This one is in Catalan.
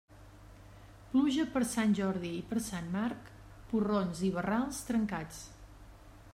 Pluja per Sant Jordi i per Sant Marc, porrons i barrals trencats.